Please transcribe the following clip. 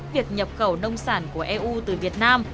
việc nhập khẩu nông sản của eu từ việt nam